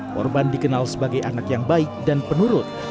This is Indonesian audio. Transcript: korban dikenal sebagai anak yang baik dan penurut